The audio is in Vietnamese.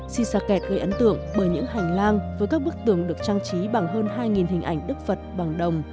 si sa kẹt gây ấn tượng bởi những hành lang với các bức tượng được trang trí bằng hơn hai hình ảnh đức phật bằng đồng